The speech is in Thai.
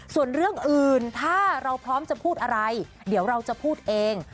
ส่วนเรื่องอื่นถ้าเราพร้อมจะพูดอะไรเดี๋ยวเราจะพูดเอง